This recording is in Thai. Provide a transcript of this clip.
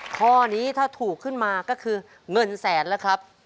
ข้อนี้ถ้าถูกขึ้นมาก็คือเงินแสนแล้วครับ